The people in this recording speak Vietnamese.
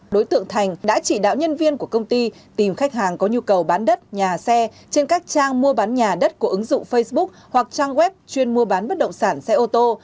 đối tượng thành đã chỉ đạo nhân viên của công ty tìm khách hàng có nhu cầu bán đất nhà xe trên các trang mua bán nhà đất của ứng dụng facebook hoặc trang web chuyên mua bán bất động sản xe ô tô